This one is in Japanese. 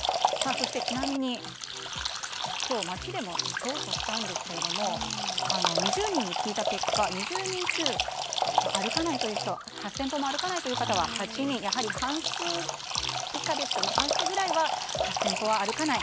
ちなみに、今日街でも調査したんですが２０人に聞いた結果、２０人中８０００歩も歩かないという方は８人と半数ぐらいは８０００歩は歩かない。